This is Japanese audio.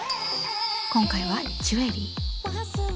今回はジュエリー。